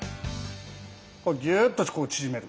ギューッとここ縮める。